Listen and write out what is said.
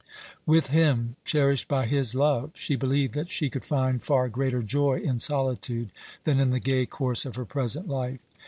With him, cherished by his love, she believed that she could find far greater joy in solitude than in the gay course of her present life.